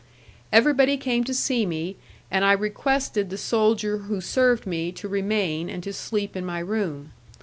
Everybody came to see me, and I requested the soldier who served me to remain and to sleep in my room.